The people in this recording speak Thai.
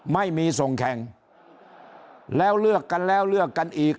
ไม่มีส่งแข่งแล้วเลือกกันแล้วเลือกกันอีก